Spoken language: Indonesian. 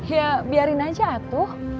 ya biarin aja atuh